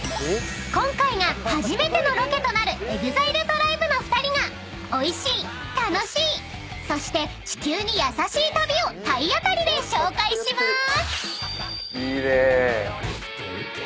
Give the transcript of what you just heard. ［今回が初めてのロケとなるＥＸＩＬＥＴＲＩＢＥの２人がおいしい楽しいそして地球に優しい旅を体当たりで紹介しまーす！］